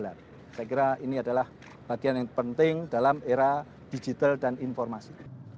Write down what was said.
saya kira ini adalah bagian yang penting dalam era digital dan informasi